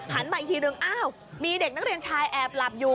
มาอีกทีนึงอ้าวมีเด็กนักเรียนชายแอบหลับอยู่